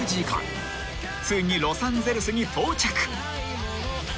［ついにロサンゼルスに到着］